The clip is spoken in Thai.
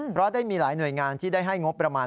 เพราะได้มีหลายหน่วยงานที่ได้ให้งบประมาณ